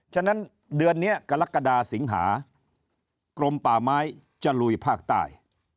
ฉะนั้นเดือนนี้กรกฎาสิงหากลมป่าไม้จะลุยภาคใต้